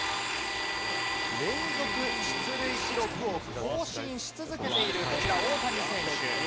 連続出塁記録を更新し続けている、こちら大谷選手。